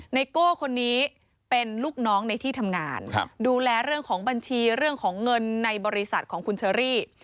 โก้คนนี้เป็นลูกน้องในที่ทำงานดูแลเรื่องของบัญชีเรื่องของเงินในบริษัทของคุณเชอรี่